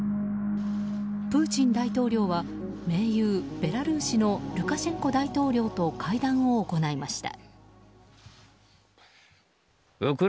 プーチン大統領は盟友ベラルーシのルカシェンコ大統領と会談を行いました。